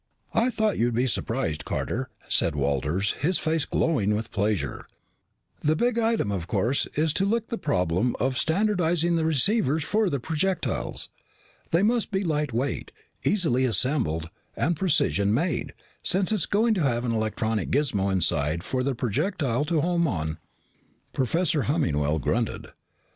"I thought you'd be surprised, Carter," said Walters, his face glowing with pleasure. "The big item, of course, is to lick the problem of standardizing the receivers for the projectiles. They must be lightweight, easily assembled, and precision made, since it's going to have an electronic gismo inside for the projectile to 'home' on." Professor Hemmingwell grunted.